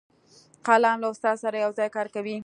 قلم له استاد سره یو ځای کار کوي